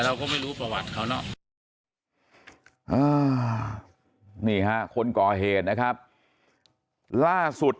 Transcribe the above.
เราก็ไม่รู้ประวัติเขาเนอะนี่ฮะคนก่อเหตุนะครับล่าสุด